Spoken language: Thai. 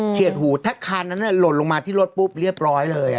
เฉียดหูถ้าคานนั้นลดลงมาที่รถปุ๊บเรียบร้อยเลยอะ